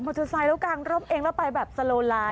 มัวเทอร์ไซด์รอบกลางรอบเองแล้วไปแบบโซโลไลน์